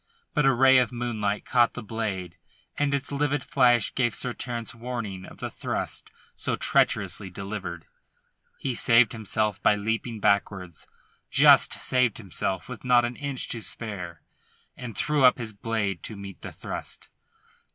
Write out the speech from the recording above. But a ray of moonlight caught the blade and its livid flash gave Sir Terence warning of the thrust so treacherously delivered. He saved himself by leaping backwards just saved himself with not an inch to spare and threw up his blade to meet the thrust.